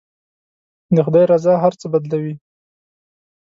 د خدای رضا هر څه بدلوي.